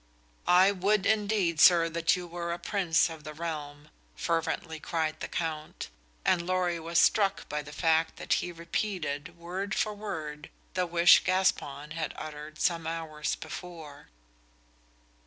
"I would indeed, sir, that you were a Prince of the realm," fervently cried the Count, and Lorry was struck by the fact that he repeated, word for word, the wish Gaspon had uttered some hours before.